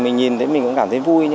mình thấy mình cũng cảm thấy vui